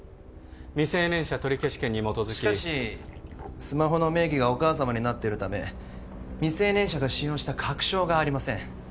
未成年者取消権に基づきしかしスマホの名義がお母様になっているため未成年者が使用した確証がありません